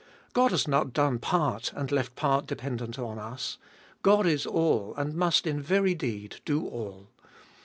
God has not done part, and left part dependent on us. God is all, and must in very deed do all.